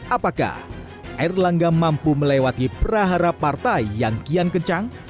apakah erlangga mampu melewati prahara partai yang kian kencang